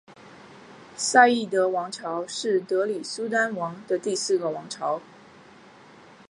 赛义德王朝是德里苏丹国第四个王朝。